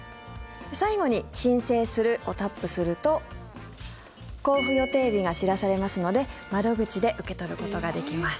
最後に申請するをタップすると交付予定日が知らされますので窓口で受け取ることができます。